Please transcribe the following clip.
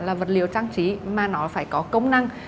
là vật liều trang trí mà nó phải có công năng